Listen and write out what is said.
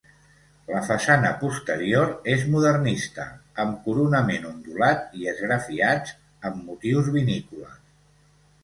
La façana posterior és modernista, amb coronament ondulat i esgrafiats amb motius vinícoles.